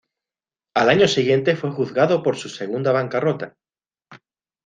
Al año siguiente, fue juzgado por su segunda bancarrota.